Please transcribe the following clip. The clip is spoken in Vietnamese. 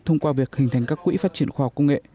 thông qua việc hình thành các quỹ phát triển khoa học công nghệ